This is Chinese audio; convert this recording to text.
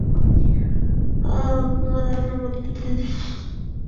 担任中国石油辽阳石油化工公司经理。